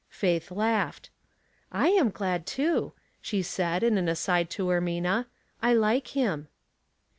Faith laughed. "/ am glad, too," she said, in an aside to Er mina. " I like him."